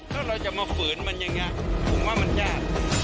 ถ้าเราจะมาฝืนมันอย่างนี้ผมว่ามันยาก